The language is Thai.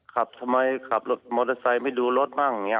ขับทำไมขับรถมอเตอร์ไซค์ไม่ดูรถบ้างเนี่ย